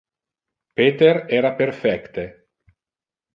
Peter era perfecte.